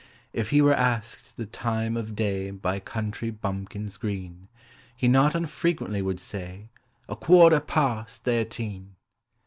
If he were asked the time of day By country bumpkins green, He not unfrequently would say, "A quarter past thirteen."